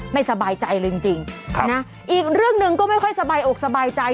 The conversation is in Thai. ไม่สบายใจเลยจริงนะอีกเรื่องหนึ่งก็ไม่ค่อยสบายอกสบายใจ